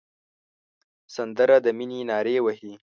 سندره د مینې نارې وهي